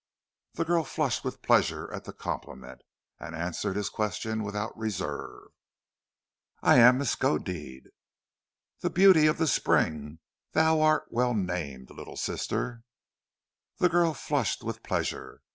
The girl flushed with pleasure at the compliment, and answered his question without reserve. "I am Miskodeed." "The Beauty of the Spring! Then thou art well named, little sister!" The girl flushed with pleasure.